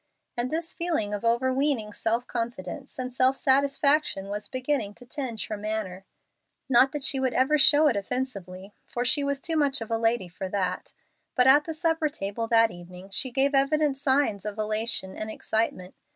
And this feeling of overweening self confidence and self satisfaction was beginning to tinge her manner. Not that she would ever show it offensively, for she was too much of a lady for that. But at the supper table that evening she gave evident signs of elation and excitement.